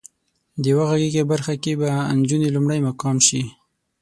د وغږېږئ برخه کې به انجونې لومړی مقام شي.